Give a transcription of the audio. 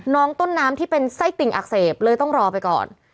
น้องต้นน้ำที่เป็นไส้ติ่งอักเสบเลยต้องรอไปก่อน